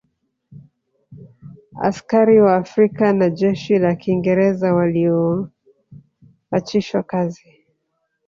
Askari Wa Afrika na jeshi la Kiingereza walioachishwa kazi